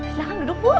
silahkan duduk bu